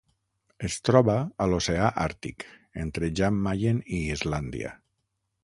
Es troba a l'Oceà Àrtic: entre Jan Mayen i Islàndia.